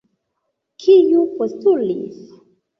Kiu postulis?